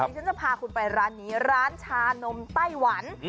ฉันจะพาคุณไปร้านนี้ร้านชานมไต้หวัน